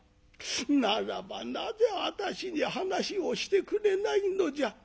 ならばなぜ私に話をしてくれないのじゃ。